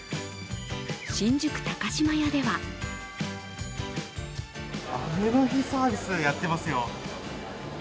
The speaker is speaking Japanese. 新宿高島屋では雨の日サービスやってますよ。